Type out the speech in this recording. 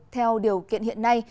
theo điều kiện hiện nay